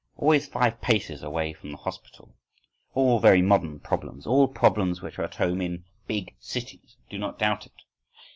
Always five paces away from the hospital! All very modern problems, all problems which are at home in big cities! do not doubt it!